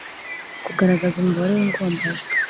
-kugaragaza umubare w’ingombajwi